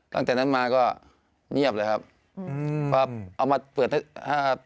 ตั้งแต่นั้นมาก็เงียบฝ์เลยครับ